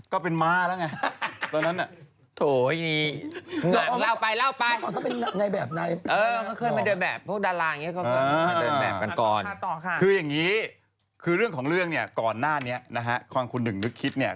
คือเรื่องของเรื่องบนก่อนหน้านี้ว่าคุณหนึกถึงคิดเรื่องหนึ่งนึกคิดไหม